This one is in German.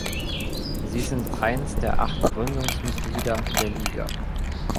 Sie sind eins der acht Gründungsmitglieder der Liga.